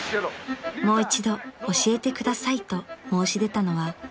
［もう一度教えてくださいと申し出たのは］